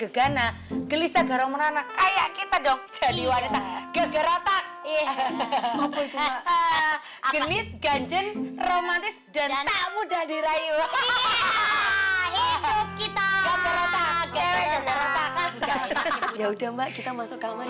sampai jumpa di video selanjutnya